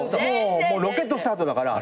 もうロケットスタートだから。